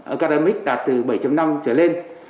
academic đạt từ bảy năm trở lên